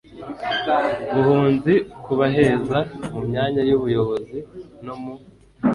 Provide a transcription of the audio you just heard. buhunzi kubaheza mu myanya y ubuyobozi no mu